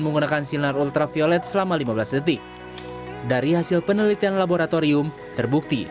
menggunakan sinar ultraviolet selama lima belas detik dari hasil penelitian laboratorium terbukti